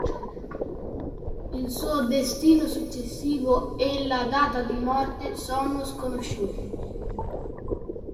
Il suo destino successivo e la data di morte sono sconosciuti.